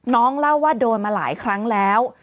เล่าว่าโดนมาหลายครั้งแล้ว